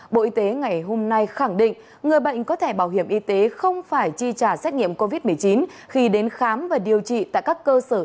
bộ y tế ngày hôm nay khẳng định người bệnh có thẻ bảo hiểm y tế không phải chi trả xét nghiệm covid một mươi chín khi đến khám và điều trị tại các cơ sở y tế